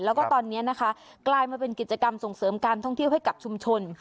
แล้วก็ตอนนี้นะคะกลายมาเป็นกิจกรรมส่งเสริมการท่องเที่ยวให้กับชุมชน